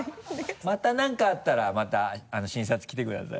またなんかあったらまた診察来てください。